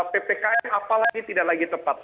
ppkm apalagi tidak lagi tepat